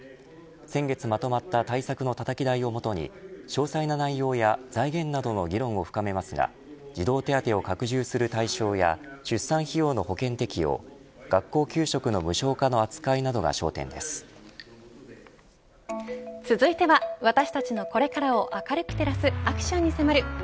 先月まとまった対策のたたき台を基に詳細な内容や財源などの議論を深めますが児童手当を拡充する対象や出産費用の保険適用学校給食の無償化の扱いなどが続いては私たちのこれからを明るく照らすアクションに迫る＃